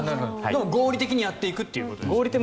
合理的にやっていくということですね。